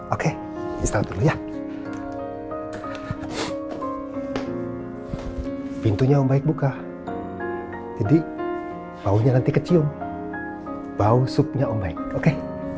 oke kita dulu ya pintunya baik buka jadi baunya nanti kecium bau supnya om baik oke